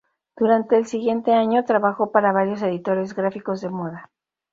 Durante el siguiente año trabajó para varios editores gráficos de moda.